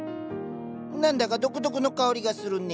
何だか独特の香りがするね。